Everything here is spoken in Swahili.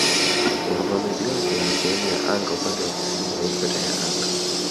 Ufafanuzi wake ni "sehemu ya anga upande wa kusini wa ikweta ya anga".